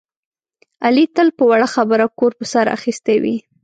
علي تل په وړه خبره کور په سر اخیستی وي.